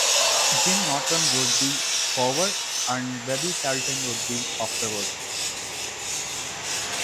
Jim Norton wrote the foreword, and Bobby Slayton wrote the afterword.